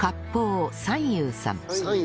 三友さん。